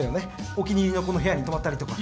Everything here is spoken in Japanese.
お気に入りの子の部屋に泊まったりとか。